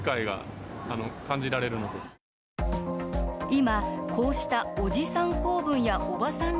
今こうした、おじさん構文やおばさん